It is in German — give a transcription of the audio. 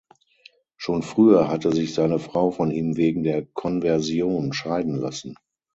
Schon früher hatte sich seine Frau von ihm wegen der Konversion scheiden lassen.